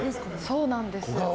そうなんです。